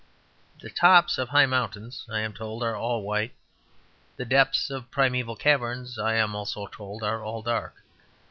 The tops of high mountains (I am told) are all white; the depths of primeval caverns (I am also told) are all dark.